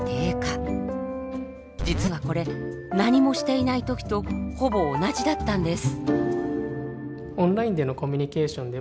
実はこれ何もしていない時とほぼ同じだったんです。